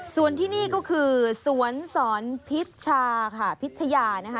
สวนที่นี่ก็คือสวนสอนพิชชาค่ะ